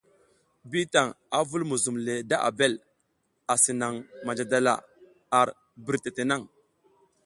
Bitan a vul muzum le da Abel, asi naŋ manja dala ar birtete naŋ.